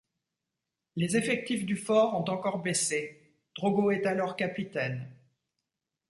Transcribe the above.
Les effectifs du fort ont encore baissé, Drogo est alors capitaine.